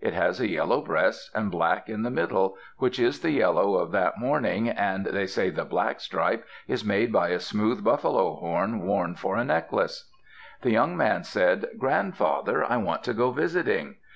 It has a yellow breast and black in the middle, which is the yellow of that morning, and they say the black stripe is made by a smooth buffalo horn worn for a necklace. The young man said, "Grandfather, I want to go visiting."